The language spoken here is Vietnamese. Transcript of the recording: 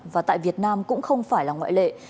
và tại việt nam cũng không phải là ngoại lệ